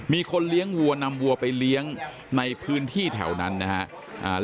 มีคนเลี้ยงวัวนำวัวไปเลี้ยงในพื้นที่แถวนั้นนะครับ